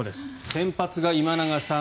先発が今永さん。